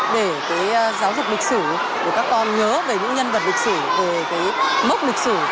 để giáo dục lịch sử để các con nhớ về những nhân vật lịch sử về mốc lịch sử